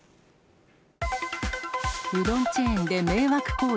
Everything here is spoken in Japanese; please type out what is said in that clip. うどんチェーンで迷惑行為。